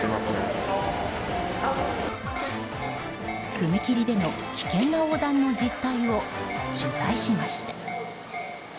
踏切での危険な横断の実態を取材しました。